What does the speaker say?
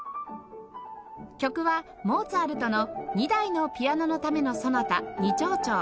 曲はモーツァルトの『２台のピアノのためのソナタニ長調』